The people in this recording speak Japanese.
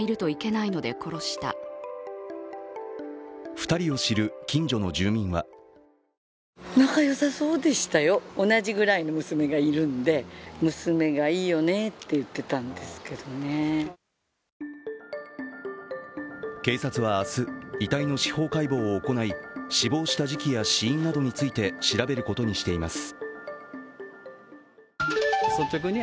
２人を知る近所の住民は警察は明日、遺体の司法解剖を行い死亡した時期や死因などについて調べることにしています。